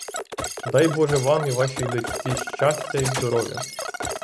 Дай боже вам і вашій дочці щастя й здоров'я.